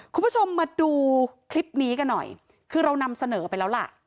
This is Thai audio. คุณผู้ชมมาดูคลิปนี้กันหน่อยคือเรานำเสนอไปแล้วล่ะ